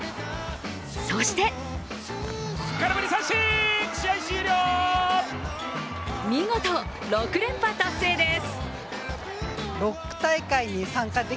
そして見事、６連覇達成です。